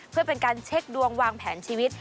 เพื่อเป็นการเช็คดวงวางแผนชีวิต